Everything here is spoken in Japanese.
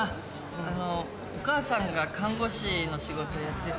あのお母さんが看護師の仕事やってて。